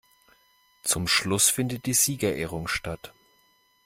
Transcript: Zum Schluss findet die Siegerehrung statt.